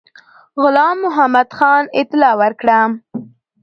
غلام محمدخان اطلاع ورکړه.